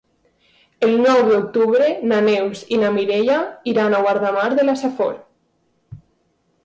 El nou d'octubre na Neus i na Mireia iran a Guardamar de la Safor.